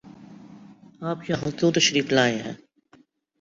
آپ یہاں کیوں تشریف لائے ہیں؟